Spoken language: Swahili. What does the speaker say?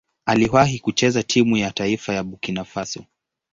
Aliwahi kucheza timu ya taifa ya Burkina Faso.